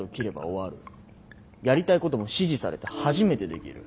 やりたいことも支持されて初めてできる。